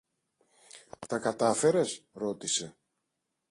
Τα κατάφερες; ρώτησε.